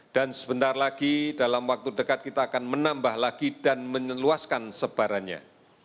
sebentar lagi dalam waktu dekat kita akan menambah lagi dan menyeluaskan sebarannya